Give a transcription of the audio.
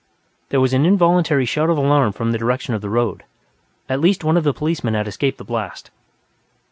There was an involuntary shout of alarm from the direction of the road; at least one of the policemen had escaped the blast.